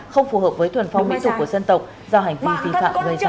không phù hợp với thuần phong mỹ tục của dân tộc do hành vi vi phạm gây ra